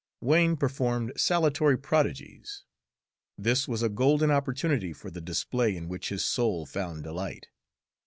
Wain performed saltatory prodigies. This was a golden opportunity for the display in which his soul found delight.